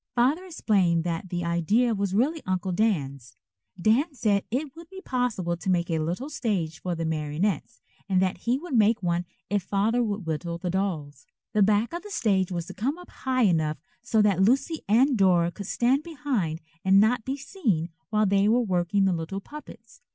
Father explained that the idea was really Uncle Dan's. Dan said it would be possible to make a little stage for the marionettes and that he would make one if Father would whittle the dolls. The back of the stage was to come up high enough so that Lucy and Dora could stand behind and not be seen while they were working the little puppets.